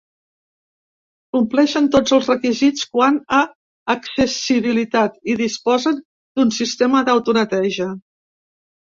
Compleixen tots els requisits quant a accessibilitat i disposen d’un sistema d’autoneteja.